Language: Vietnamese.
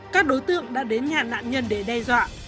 các đối tượng đã đến nhà nạn nhân để đe dọa